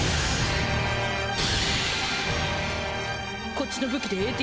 こっちの武器でＡ．Ｔ．